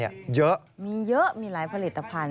มีเยอะมีหลายผลิตภัณฑ์